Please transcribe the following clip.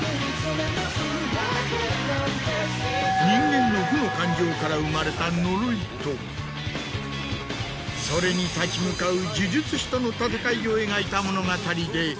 人間の負の感情から生まれた呪いとそれに立ち向かう呪術師との戦いを描いた物語で。